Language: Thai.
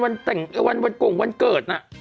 วันแต่งวันกงวันเกิดน่ะ